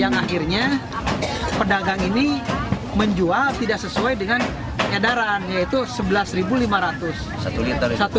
yang akhirnya pedagang ini menjual tidak sesuai dengan edaran yaitu rp sebelas lima ratus liter